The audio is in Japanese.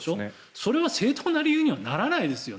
それは正当な理由にはならないですよね。